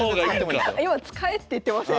今「使え」って言ってません？